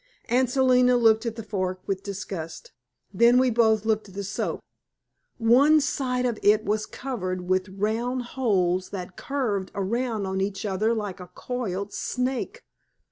Aunt Selina looked at the fork with disgust; then we both looked at the soap. ONE SIDE OF IT WAS COVERED WITH ROUND HOLES THAT CURVED AROUND ON EACH OTHER LIKE A COILED SNAKE.